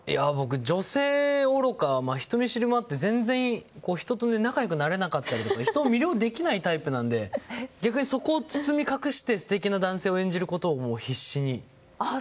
女性おろか、人見知りもあって全然、人と仲良くなれなかったり人を魅了できないタイプなので逆に、そこを包み隠して素敵な男性を演じることを必死に。